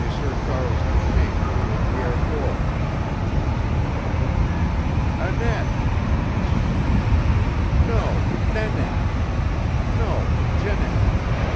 Charles Duchaine, of Rivière d'Or?" he asked. "Annette," answered the man. "No, Nanette. No Janette.